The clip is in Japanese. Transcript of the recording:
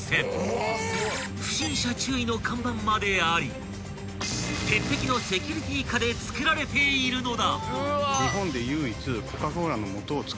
［不審者注意の看板まであり鉄壁のセキュリティー下で作られているのだ］